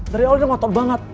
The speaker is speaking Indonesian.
dari awal dia ngotot banget